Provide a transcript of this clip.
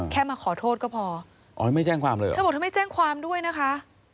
แต่แบบแจ้งความนะคะ